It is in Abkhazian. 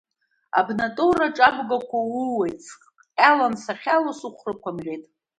Абнатоураҿ абгақәа уууеит, сҟьалан сахьылоу сыхәрақәа мӷьеит.